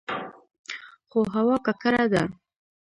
خو هوا ککړه ده.